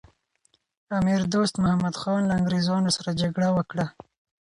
امیر دوست محمد خان له انګریزانو سره جګړه وکړه.